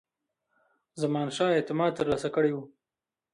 زمانشاه اعتماد ترلاسه کړی وو.